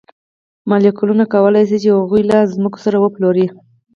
مالکانو کولی شول چې هغوی له ځمکو سره وپلوري.